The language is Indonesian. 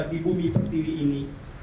di bumi terdiri ini